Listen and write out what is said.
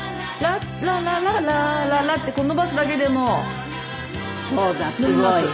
「ララララーララ」ってこう伸ばすだけでも伸びます。